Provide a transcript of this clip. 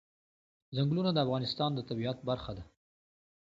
ځنګلونه د افغانستان د طبیعت برخه ده.